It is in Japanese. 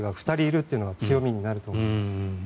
２人いるっていうのが強みになると思います。